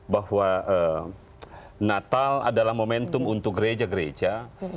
bahwa natal adalah momentum untuk gereja gereja